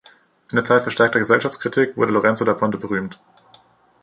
In der Zeit verstärkter Gesellschaftskritik wurde Lorenzo da Ponte berühmt.